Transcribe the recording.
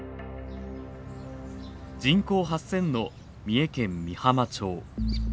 人口８，０００の三重県御浜町。